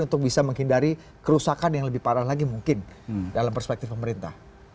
untuk bisa menghindari kerusakan yang lebih parah lagi mungkin dalam perspektif pemerintah